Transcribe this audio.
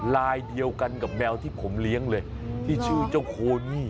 ลายเดียวกันกับแมวที่ผมเลี้ยงเลยที่ชื่อเจ้าคุณ